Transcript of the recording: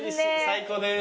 最高です。